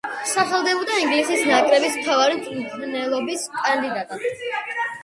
სახელდებოდა ინგლისის ნაკრების მთავარი მწვრთნელობის კანდიდატად.